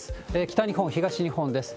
北日本、東日本です。